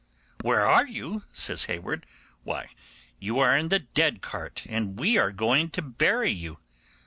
'Where are you?' says Hayward. 'Why, you are in the dead cart, and we are going to bury you.